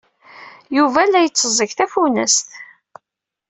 Yuba la itteẓẓeg tafunast.